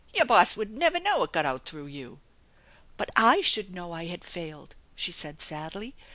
Your boss would never know it got out through you." " But I should know I had failed !" she said sadly.